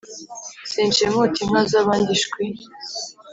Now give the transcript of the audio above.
Sinshimuta inka zabandi shwi